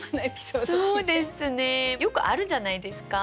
そうですねよくあるじゃないですか。